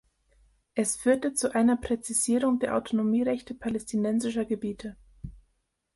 Es führte zu einer Präzisierung der Autonomierechte Palästinensischer Gebiete.